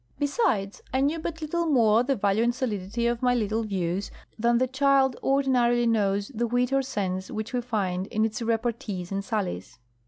Besides, I knew but little more the value and solidity of my little views than the child ordinarily knows the wit or sense which we find in its repartees and sallies.